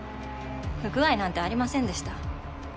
不具合なんてありませんでした。